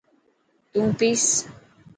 تون پيس.